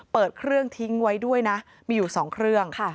เปิดเครื่องทิ้งไว้ด้วยนะมีอยู่๒เครื่อง